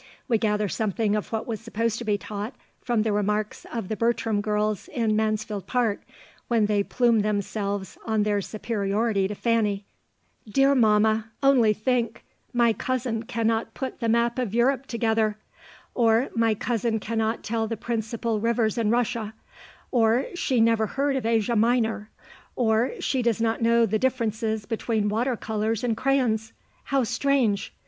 We gather something of what was supposed to be taught from the remarks of the Bertram girls in Mansfield Park when they plume themselves on their superiority to Fanny— "'Dear mamma, only think, my cousin cannot put the map of Europe together—or my cousin cannot tell the principal rivers in Russia, or she never heard of Asia Minor, or she does not know the differences between water colours and crayons! How strange!